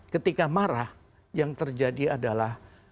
ketika marah yang terjadi adalah